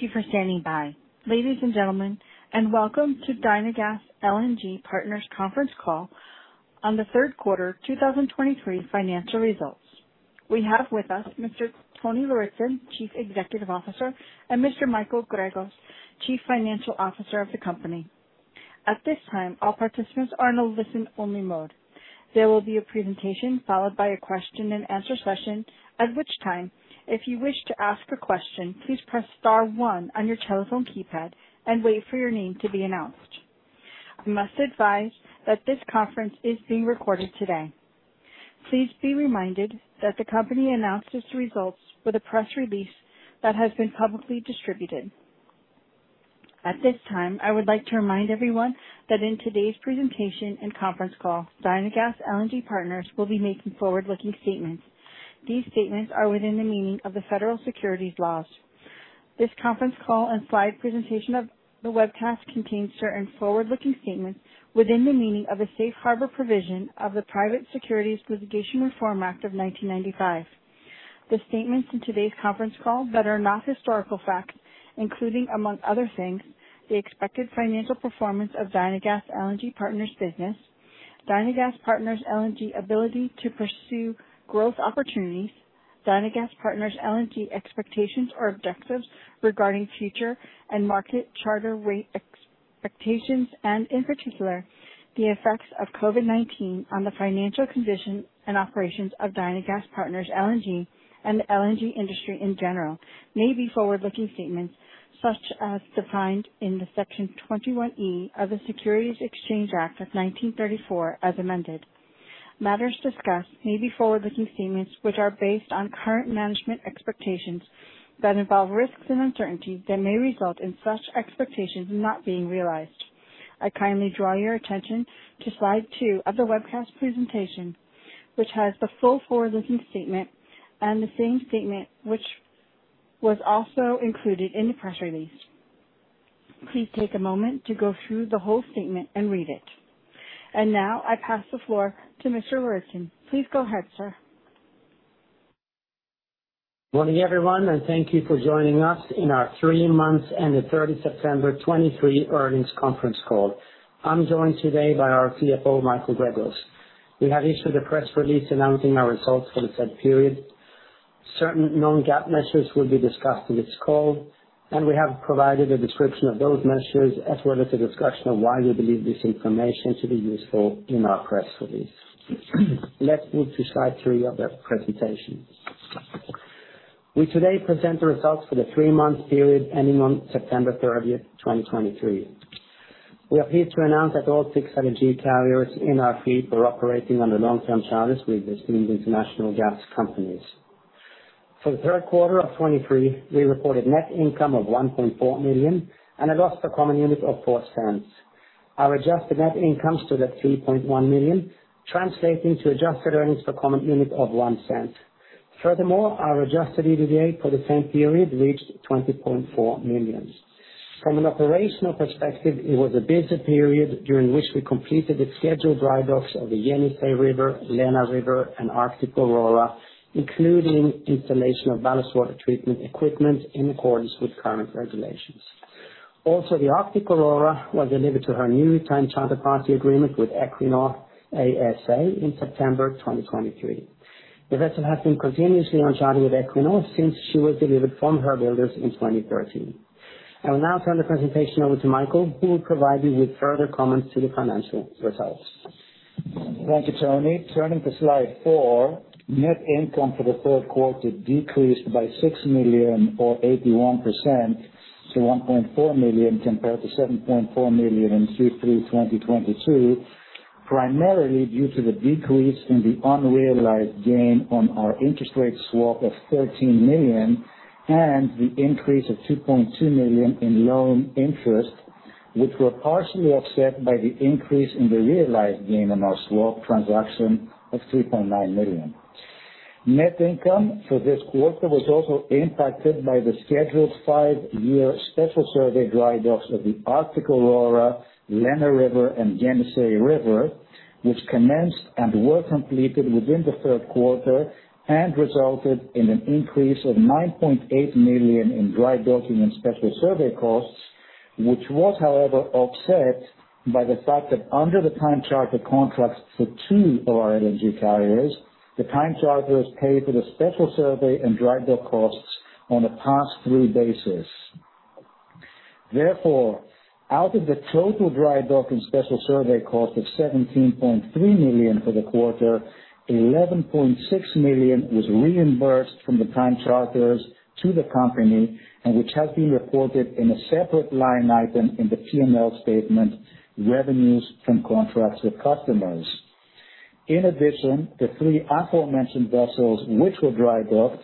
Thank you for standing by. Ladies and gentlemen, and welcome to Dynagas LNG Partners conference call on the third quarter 2023 financial results. We have with us Mr. Tony Lauritzen, Chief Executive Officer, and Mr. Michael Gregos, Chief Financial Officer of the company. At this time, all participants are in a listen-only mode. There will be a presentation followed by a question-and-answer session, at which time, if you wish to ask a question, please press star one on your telephone keypad and wait for your name to be announced. I must advise that this conference is being recorded today. Please be reminded that the company announced its results with a press release that has been publicly distributed. At this time, I would like to remind everyone that in today's presentation and conference call, Dynagas LNG Partners will be making forward-looking statements. These statements are within the meaning of the Federal Securities laws. This conference call and slide presentation of the webcast contains certain forward-looking statements within the meaning of the safe harbor provision of the Private Securities Litigation Reform Act of 1995. The statements in today's conference call that are not historical facts, including among other things, the expected financial performance of Dynagas LNG Partners business, Dynagas LNG Partners ability to pursue growth opportunities, Dynagas LNG Partners expectations or objectives regarding future and market charter rate expectations, and in particular, the effects of COVID-19 on the financial condition and operations of Dynagas LNG Partners and the LNG industry in general, may be forward-looking statements, as defined in Section 21E of the Securities Exchange Act of 1934, as amended. Matters discussed may be forward-looking statements which are based on current management expectations that involve risks and uncertainty that may result in such expectations not being realized. I kindly draw your attention to slide 2 of the webcast presentation, which has the full forward-looking statement and the same statement which was also included in the press release. Please take a moment to go through the whole statement and read it. Now I pass the floor to Mr. Lauritzen. Please go ahead, sir. Good morning, everyone, and thank you for joining us for our three months ended the third quarter September 2023 earnings conference call. I'm joined today by our CFO, Michael Gregos. We have issued a press release announcing our results for the said period. Certain non-GAAP measures will be discussed in this call, and we have provided a description of those measures as well as a discussion of why we believe this information to be useful in our press release. Let's move to slide 3 of the presentation. We today present the results for the three-month period ending on September 30, 2023. We are pleased to announce that all six LNG carriers in our fleet are operating under long-term charters with distinguished international gas companies. For the third quarter of 2023, we reported net income of $1.4 million and a loss per common unit of $0.04. Our adjusted net income to $3.1 million, translating to adjusted earnings per common unit of $0.01. Furthermore, our adjusted EBITDA for the same period reached $20.4 million. From an operational perspective, it was a busy period during which we completed the scheduled dry docks of the Yenisei River, Lena River, and Arctic Aurora, including installation of ballast water treatment equipment in accordance with current regulations. Also, the Arctic Aurora was delivered to her newly time charter party agreement with Equinor ASA in September 2023. The vessel has been continuously on charter with Equinor since she was delivered from her builders in 2013. I will now turn the presentation over to Michael, who will provide you with further comments to the financial results. Thank you, Tony. Turning to slide four. Net income for the third quarter decreased by $6 million or 81% to $1.4 million, compared to $7.4 million in Q3 2022, primarily due to the decrease in the unrealized gain on our interest rate swap of $13 million and the increase of $2.2 million in loan interest, which were partially offset by the increase in the realized gain on our swap transaction of $3.9 million. Net income for this quarter was also impacted by the scheduled five-year special survey dry docks of the Arctic Aurora, Lena River and Yenisei River, which commenced and were completed within the third quarter and resulted in an increase of $9.8 million in dry docking and special survey costs, which was, however, offset by the fact that under the time charter contracts for two of our LNG carriers, the time charters pay for the special survey and dry dock costs on a pass-through basis. Therefore, out of the total dry dock and special survey cost of $17.3 million for the quarter, $11.6 million was reimbursed from the time charters to the company, and which has been reported in a separate line item in the P&L statement, revenues from contracts with customers. In addition, the three aforementioned vessels, which were dry docked,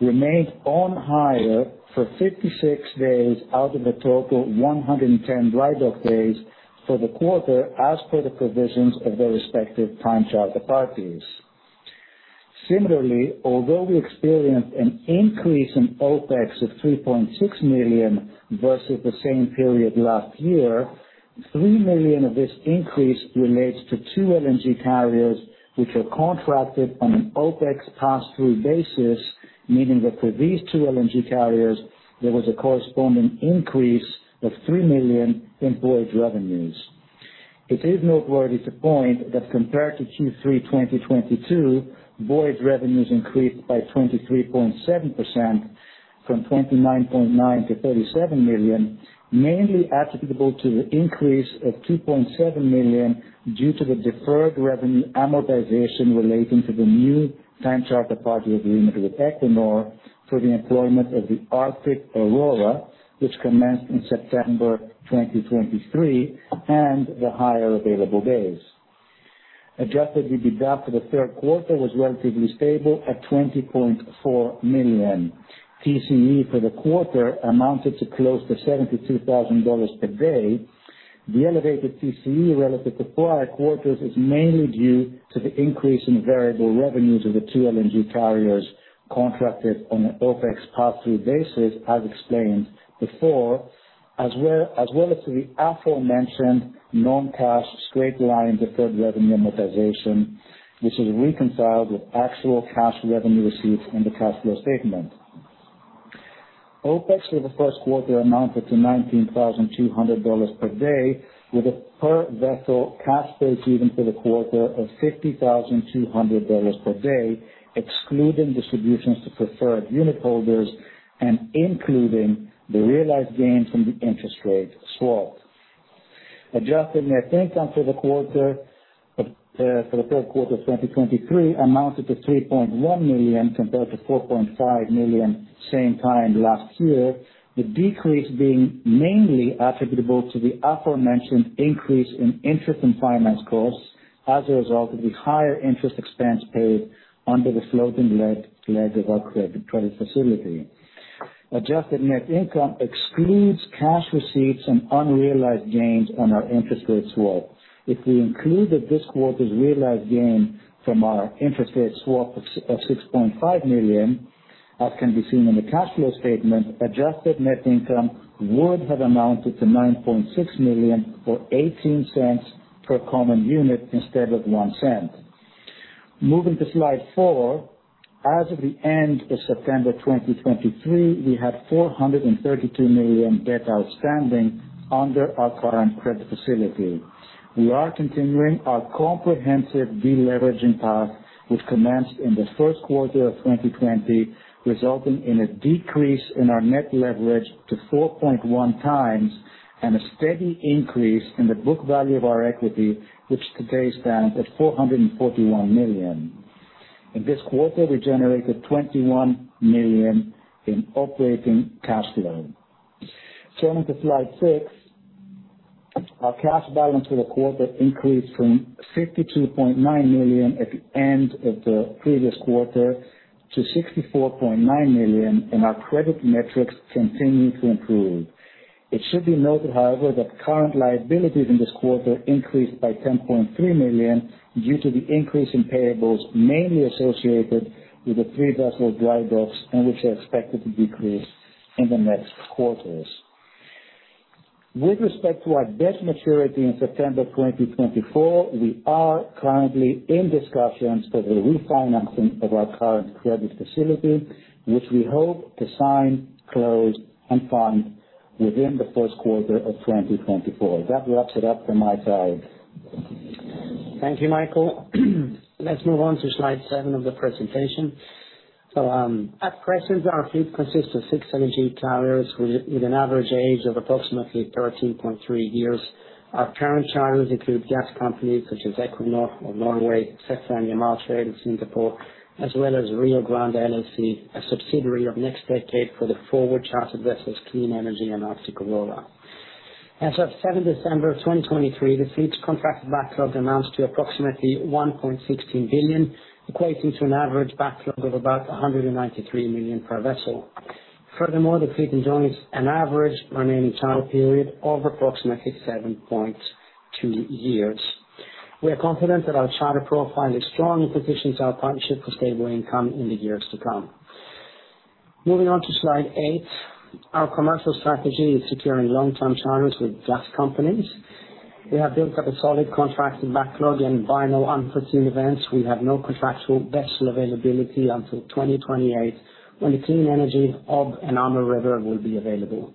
remained on hire for 56 days out of the total 110 dry dock days for the quarter, as per the provisions of the respective time charter parties. Similarly, although we experienced an increase in OPEX of $3.6 million versus the same period last year. Three million of this increase relates to two LNG carriers, which are contracted on an OPEX pass-through basis, meaning that for these two LNG carriers, there was a corresponding increase of $3 million in voyage revenues. It is noteworthy to point that compared to Q3 2022, voyage revenues increased by 23.7% from $29.9 million to $37 million, mainly attributable to the increase of $2.7 million due to the deferred revenue amortization relating to the new time charter party agreement with Equinor for the employment of the Arctic Aurora, which commenced in September 2023, and the higher available days. Adjusted EBITDA for the third quarter was relatively stable at $20.4 million. TCE for the quarter amounted to close to $72,000 per day. The elevated TCE relative to prior quarters is mainly due to the increase in variable revenues of the two LNG carriers contracted on an OPEX pass-through basis, as explained before, as well, as well as to the aforementioned non-cash straight-line deferred revenue amortization, which is reconciled with actual cash revenue received in the cash flow statement. OPEX for the first quarter amounted to $19,200 per day, with a per vessel cash received for the quarter of $50,200 per day, excluding distributions to preferred unitholders and including the realized gains from the interest rate swap. Adjusted net income for the quarter for the third quarter of 2023 amounted to $3.1 million compared to $4.5 million same time last year, the decrease being mainly attributable to the aforementioned increase in interest and finance costs as a result of the higher interest expense paid under the floating leg of our credit facility. Adjusted net income excludes cash receipts and unrealized gains on our interest rate swap. If we included this quarter's realized gain from our interest rate swap of $6.5 million, as can be seen in the cash flow statement, adjusted net income would have amounted to $9.6 million, or $0.18 per common unit instead of $0.01. Moving to slide four. As of the end of September 2023, we had $432 million debt outstanding under our current credit facility. We are continuing our comprehensive deleveraging path, which commenced in the first quarter of 2020, resulting in a decrease in our net leverage to 4.1 times, and a steady increase in the book value of our equity, which today stands at $441 million. In this quarter, we generated $21 million in operating cash flow. Turning to slide 6, our cash balance for the quarter increased from $62.9 million at the end of the previous quarter to $64.9 million, and our credit metrics continued to improve. It should be noted, however, that current liabilities in this quarter increased by $10.3 million due to the increase in payables, mainly associated with the three vessel dry docks and which are expected to decrease in the next quarters. With respect to our debt maturity in September 2024, we are currently in discussions for the refinancing of our current credit facility, which we hope to sign, close, and fund within the first quarter of 2024. That wraps it up for my side. Thank you, Michael. Let's move on to slide 7 of the presentation. At present, our fleet consists of 6 LNG carriers with an average age of approximately 13.3 years. Our current charters include gas companies such as Equinor of Norway, SEFE and Yamal Trade in Singapore, as well as Rio Grande LLC, a subsidiary of NextDecade for the forward chartered vessels, Clean Energy and Arctic Aurora. As of seventh December of 2023, the fleet's contracted backlog amounts to approximately $1.16 billion, equating to an average backlog of about $193 million per vessel. Furthermore, the fleet enjoys an average remaining charter period of approximately 7.2 years. We are confident that our charter profile is strongly positioned to our partnership for stable income in the years to come. Moving on to slide 8. Our commercial strategy is securing long-term charters with gas companies. We have built up a solid contracted backlog, and barring no unforeseen events, we have no contractual vessel availability until 2028, when the Clean Energy, Ob River, and Amur River will be available.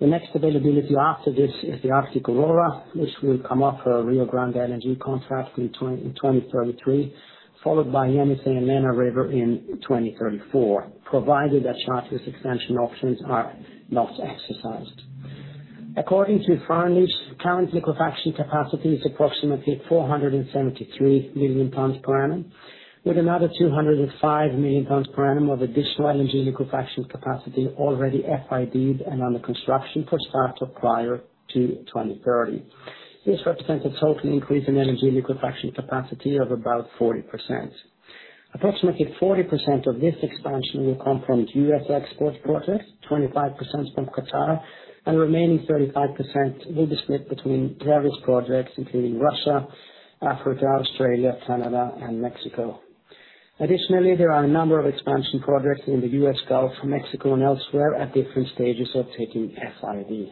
The next availability after this is the Arctic Aurora, which will come off our Rio Grande LNG contract in 2033, followed by Yenisei River and Lena River in 2034, provided that charter extension options are not exercised. According to Fearnley, current liquefaction capacity is approximately 473 million tons per annum, with another 205 million tons per annum of additional LNG liquefaction capacity already FID and under construction for startup prior to 2030. This represents a total increase in LNG liquefaction capacity of about 40%. Approximately 40% of this expansion will come from U.S. export projects, 25% from Qatar, and the remaining 35% will be split between various projects, including Russia, Africa, Australia, Canada, and Mexico. Additionally, there are a number of expansion projects in the U.S., Gulf of Mexico, and elsewhere at different stages of taking FID.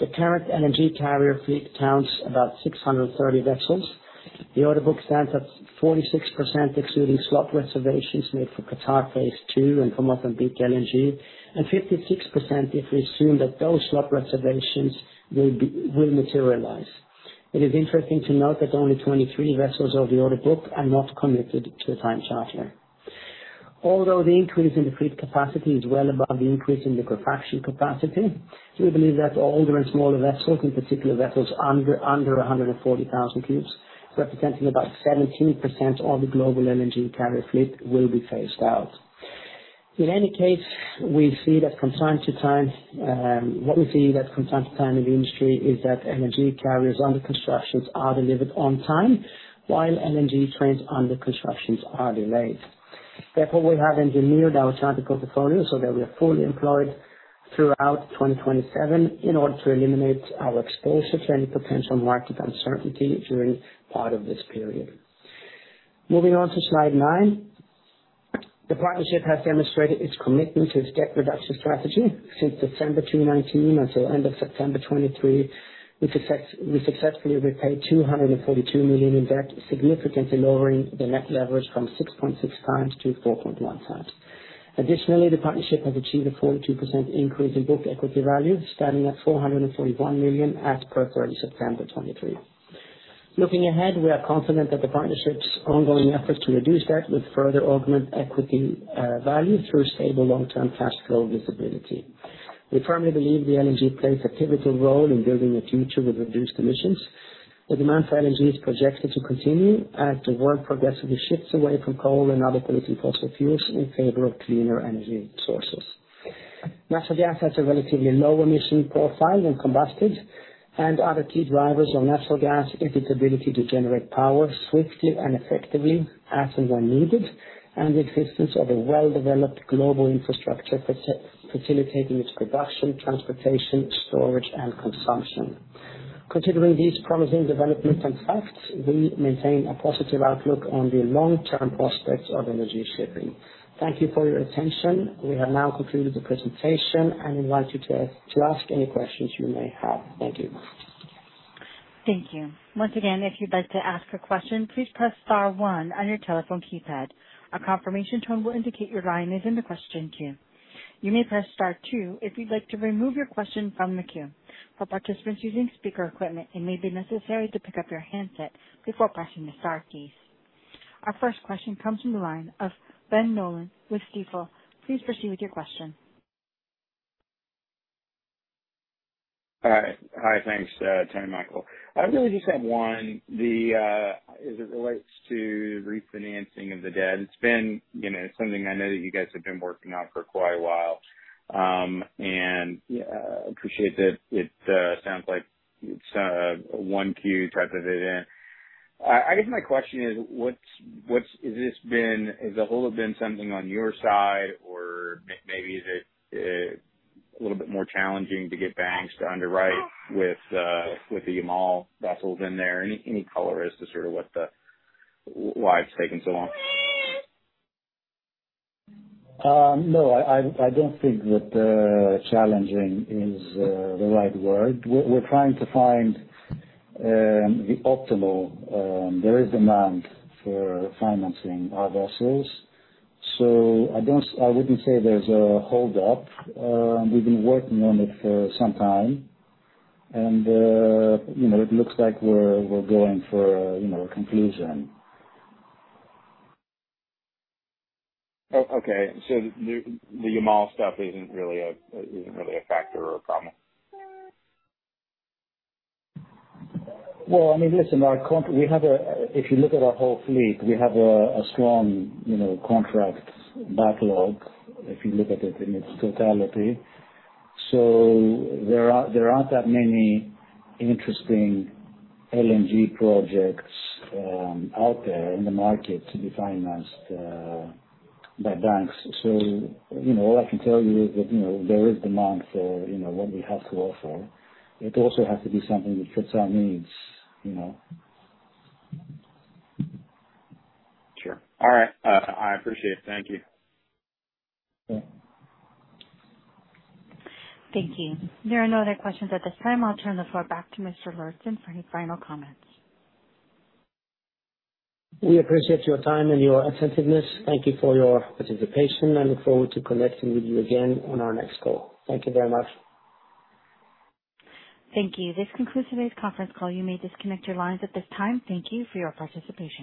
The current LNG carrier fleet counts about 630 vessels. The order book stands at 46%, excluding slot reservations made for Qatar Phase Two and Mozambique LNG, and 56% if we assume that those slot reservations will materialize. It is interesting to note that only 23 vessels of the order book are not committed to the time charter. Although the increase in the fleet capacity is well above the increase in liquefaction capacity, we believe that older and smaller vessels, in particular, vessels under 140,000 cubes, representing about 17% of the global LNG carrier fleet, will be phased out. In any case, we see that from time to time in the industry is that LNG carriers under construction are delivered on time, while LNG trains under construction are delayed. Therefore, we have engineered our charter portfolio so that we are fully employed throughout 2027 in order to eliminate our exposure to any potential market uncertainty during part of this period. Moving on to slide 9. The partnership has demonstrated its commitment to its debt reduction strategy since December 2019 until end of September 2023. We successfully repaid $242 million in debt, significantly lowering the net leverage from 6.6x to 4.1x. Additionally, the partnership has achieved a 42% increase in book equity value, standing at $441 million as per 30 September 2023. Looking ahead, we are confident that the partnership's ongoing efforts to reduce debt will further augment equity value through stable long-term cash flow visibility. We firmly believe the LNG plays a pivotal role in building a future with reduced emissions. The demand for LNG is projected to continue as the world progressively shifts away from coal and other polluting fossil fuels in favor of cleaner energy sources. Natural gas has a relatively lower emission profile when combusted, and other key drivers of natural gas is its ability to generate power swiftly and effectively, as and when needed, and the existence of a well-developed global infrastructure protecting, facilitating its production, transportation, storage, and consumption. Considering these promising developments and facts, we maintain a positive outlook on the long-term prospects of energy shipping. Thank you for your attention. We have now concluded the presentation and invite you to ask any questions you may have. Thank you. Thank you. Once again, if you'd like to ask a question, please press star one on your telephone keypad. A confirmation tone will indicate your line is in the question queue. You may press star two if you'd like to remove your question from the queue. For participants using speaker equipment, it may be necessary to pick up your handset before pressing the star keys. Our first question comes from the line of Ben Nolan with Stifel. Please proceed with your question. Hi. Hi, thanks, Tony, Michael. I really just have one. The, as it relates to refinancing of the debt, it's been, you know, something I know that you guys have been working on for quite a while. And appreciate that it sounds like it's one Q type of it. I guess my question is, what's... Has this been, has the holdup been something on your side, or maybe is it a little bit more challenging to get banks to underwrite with the Yamal vessels in there? Any color as to sort of what the... why it's taken so long? No, I don't think that challenging is the right word. We're trying to find the optimal. There is demand for financing our vessels, so I don't, I wouldn't say there's a hold up. We've been working on it for some time, and you know, it looks like we're going for, you know, a conclusion. Oh, okay. So the Yamal stuff isn't really a factor or a problem? Well, I mean, listen, we have a... If you look at our whole fleet, we have a strong, you know, contract backlog, if you look at it in its totality. So there are, there aren't that many interesting LNG projects out there in the market to be financed by banks. So, you know, all I can tell you is that, you know, there is demand for, you know, what we have to offer. It also has to be something which fits our needs, you know? Sure. All right. I appreciate it. Thank you. Yeah. Thank you. There are no other questions at this time. I'll turn the floor back to Mr. Lauritzen for any final comments. We appreciate your time and your attentiveness. Thank you for your participation, and look forward to connecting with you again on our next call. Thank you very much. Thank you. This concludes today's conference call. You may disconnect your lines at this time. Thank you for your participation.